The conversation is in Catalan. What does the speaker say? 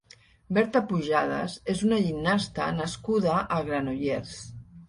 Berta Pujadas és una gimnasta nascuda a Granollers.